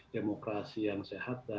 demokrasi yang sehat dan berusaha